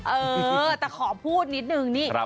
เออแต่ขอพูดนิดนึงนี่